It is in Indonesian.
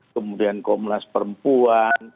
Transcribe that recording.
kemudian komnas perempuan